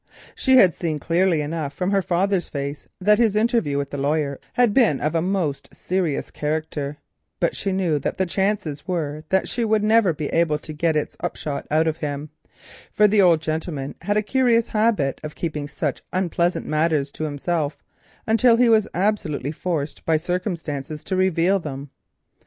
She had seen clearly enough from her father's face that his interview with the lawyer had been of a most serious character, but she knew that the chances were that she would never be able to get its upshot out of him, for the old gentleman had a curious habit of keeping such unpleasant matters to himself until he was absolutely forced by circumstances to reveal them.